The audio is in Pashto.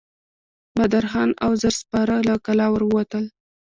بهادر خان او زر سپاره له کلا ور ووتل.